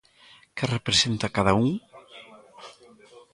Que representa cada un?